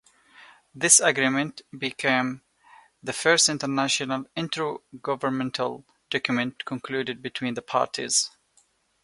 This agreement became the first international intergovernmental document concluded between the parties.